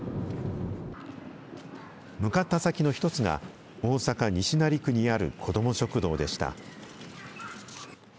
向かった先の一つが、大阪・西成区にある子ども食堂でした。